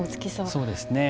そうですね。